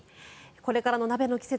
これからの鍋の季節